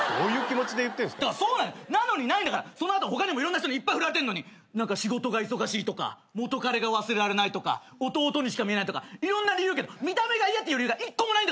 その後他にもいろんな人にいっぱい振られてんのに何か仕事が忙しいとか元彼が忘れられないとか弟にしか見えないとかいろんな理由言うけど見た目が嫌っていう理由が一個もないんだから。